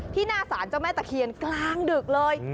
หน้าสารเจ้าแม่ตะเคียนกลางดึกเลย